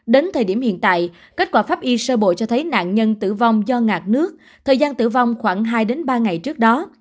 đến thời điểm hiện tại kết quả pháp y sơ bộ cho thấy nạn nhân tử vong do ngạt nước thời gian tử vong khoảng hai ba ngày trước đó